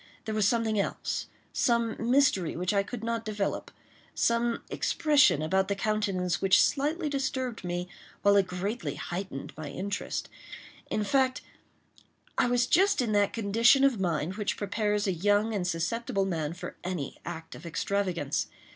There was something else—some mystery which I could not develope—some expression about the countenance which slightly disturbed me while it greatly heightened my interest. In fact, I was just in that condition of mind which prepares a young and susceptible man for any act of extravagance.